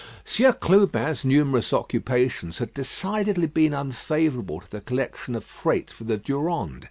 Sieur Clubin's numerous occupations had decidedly been unfavourable to the collection of freight for the Durande.